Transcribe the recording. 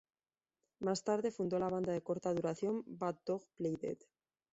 Más tarde fundó la banda de corta duración Bad Dog Play Dead.